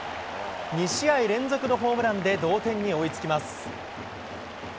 ２試合連続のホームランで同点に追いつきます。